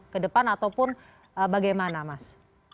ke depan ataupun bagaimana mas